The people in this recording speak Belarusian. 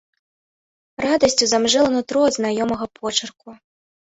Радасцю замжэла нутро ад знаёмага почырку.